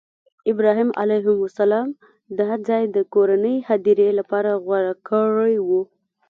ابراهیم علیه السلام دا ځای د کورنۍ هدیرې لپاره غوره کړی و.